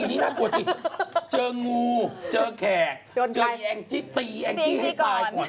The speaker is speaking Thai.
อันนี้น่ากลัวสิเจองูเจอแขกเจอแองจี้ตีแองจี้ให้ตายก่อน